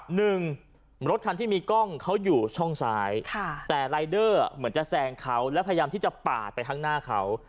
หนึ่งรถคันที่มีกล้องเขาอยู่ช่องซ้ายแต่รายเดอร์เหมือนจะแซงเขาแล้วพยายามที่จะปาดไปข้างหน้าเขา